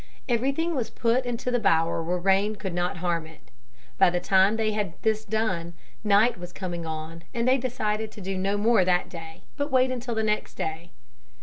Everything was put into the bower where rain could not harm it. By the time they had this done, night was coming on and they decided to do no more that day, but wait until the next day.